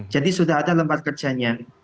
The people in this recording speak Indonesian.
jadi sudah ada lembar kerjanya